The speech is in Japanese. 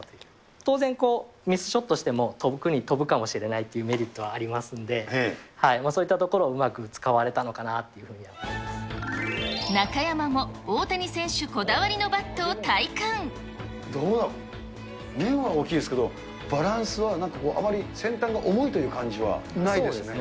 当然、ミスショットしても遠くに飛ぶかもしれないというメリットはありますんで、そういったところをうまく使われたのかなっていうふう中山も、どうだ、面は大きいですけど、バランスはなんかこう、あまり先端が重いという感じはないですね。